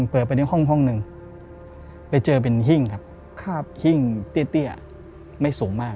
เปิดไปในห้องห้องหนึ่งไปเจอเป็นห้ิงครับครับห้ิงเตี้ยเตี้ยไม่สูงมาก